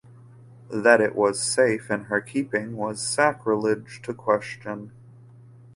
That it was safe in her keeping was sacrilege to question.